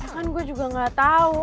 kan gue juga gak tahu